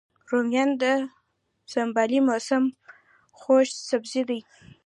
رومیان د سنبلې موسم خوږ سبزی دی